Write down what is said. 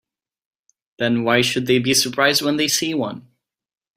Then why should they be surprised when they see one?